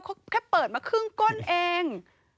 เขาแค่เปิดมาครึ่งก้นเอง